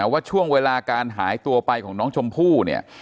ว่าช่วงเวลาการหายตัวไปของน้องชมพู่เนี่ย